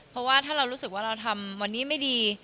เพราะว่าถ้าเรารู้สึกว่าเราทำวันนี้ไม่ดี